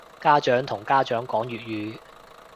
家長同家長講粵語